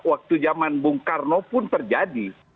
waktu zaman bung karno pun terjadi